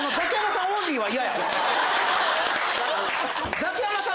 ザキヤマさん